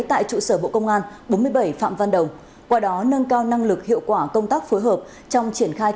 tại trụ sở bộ công an bốn mươi bảy phạm văn đồng